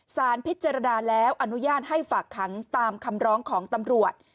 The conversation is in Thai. สารพิจารณาแล้วอนุญาตให้ฝากขังตามคำร้องของตำรวจ